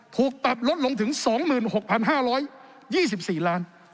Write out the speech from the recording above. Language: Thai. ถูกปรับลดลงถึง๒๖๕๒๔ล้าน